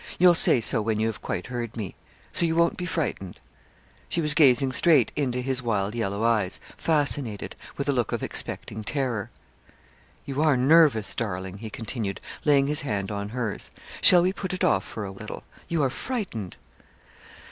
You'll say so when you have quite heard me. So you won't be frightened?' She was gazing straight into his wild yellow eyes, fascinated, with a look of expecting terror. 'You are nervous, darling,' he continued, laying his hand on hers. 'Shall we put it off for a little? You are frightened.'